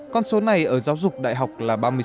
con số này ở giáo dục đại học là ba mươi sáu